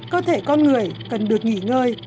cơ thể con người cần được nghỉ ngơi